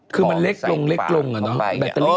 คือมันเล็กลงอะเนี่ย